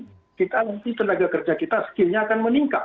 kenapa nanti kita berubah kemungkinan tenaga kerja kita skill nya akan meningkat